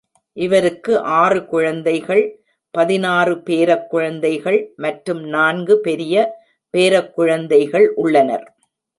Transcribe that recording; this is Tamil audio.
இவருக்கு ஆறு குழந்தைகள், பதினாறு பேரக்குழந்தைகள் மற்றும் நான்கு பெரிய பேரக்குழந்தைகள் உள்ளனர்.